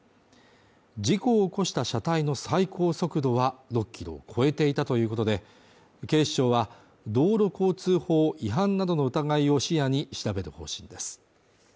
事故を起こした車体の最高速度は６キロを超えていたということで、警視庁は道路交通法違反などの疑いを視野に調べる方針です。